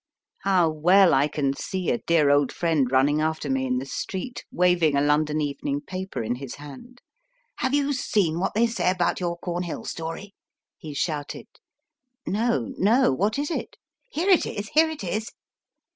How well I can see a dear old friend running after me in the street, waving a London evening paper in his hand ! Have you seen what they say about your CornJiill story ? he shouted. , No, no. What is it ? Here it is ! Here it is